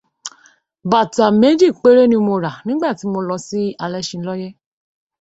Bàtà méjì péré ni mo rà nígbà tí mo lọ sí Alẹ́ṣinlọ́yẹ́.